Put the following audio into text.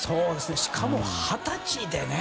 しかも、二十歳でね。